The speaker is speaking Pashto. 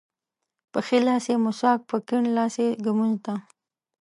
په ښي لاس یې مسواک په کیڼ لاس ږمونځ ده.